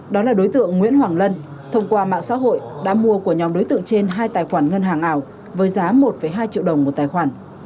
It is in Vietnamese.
đó là đối tượng nguyễn hoàng lân thông qua mạng xã hội đã mua của nhóm đối tượng trên hai tài khoản ngân hàng ảo với giá một hai triệu đồng một tài khoản